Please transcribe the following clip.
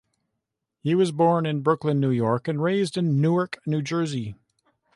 He was born in Brooklyn, New York and raised in Newark, New Jersey.